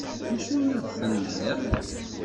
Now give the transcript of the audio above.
D acu ay la d-tenniḍ?